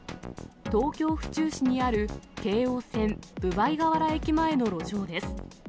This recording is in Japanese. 東京・府中市にある、京王線分倍河原駅前の路上です。